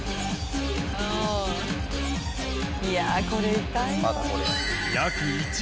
いやこれ痛いな。